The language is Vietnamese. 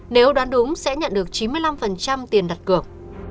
nếu đoán đúng sẽ nhận được chín mươi năm tiền đặt cược